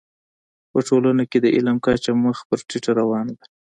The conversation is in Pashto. په ټولنه کي د علم کچه مخ پر ټيټه روانه ده.